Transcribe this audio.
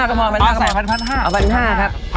๑๕๐๐ครับ